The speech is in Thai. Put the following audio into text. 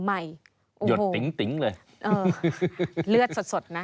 หยดติ๊งเลยเออเลือดสดนะ